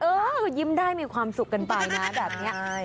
ยิ้มได้มีความสุขกันไปนะแบบนี้